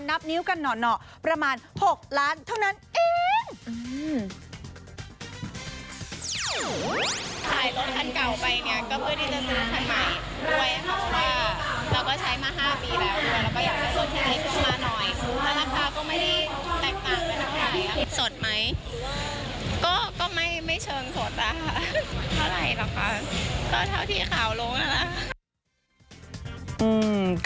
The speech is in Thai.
นับนิ้วกันหน่อประมาณ๖ล้านเท่านั้นเอง